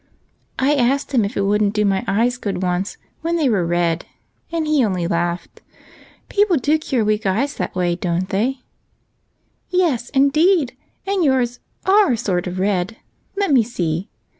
" I asked him if it would n't do my eyes good once when they were red, and he only laughed. People do cure weak eyes that way, don't they ?"" Yes, indeed, and yours are sort of red. Let me see.